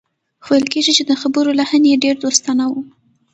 خو ویل کېږي چې د خبرو لحن یې ډېر دوستانه و